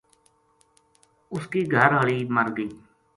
اس کی گھر ہالی مر گئی